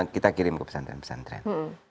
kita kirim ke pesantren pesantren